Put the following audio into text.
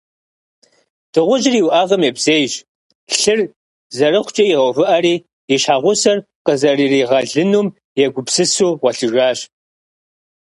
Дыгъужьыр и уӀэгъэм ебзейщ, лъыр, зэрыхъукӀэ игъэувыӀэри, и щхьэгъусэр къызэрыригъэлынум егупсысу гъуэлъыжащ.